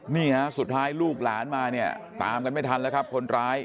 นี่ฮะสุดท้ายลูกหลานมาเนี่ยตามกันไม่ทันแล้วครับคนร้าย